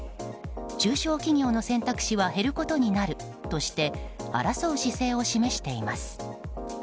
中小企業の選択肢は減ることになるとして争う姿勢を示しています。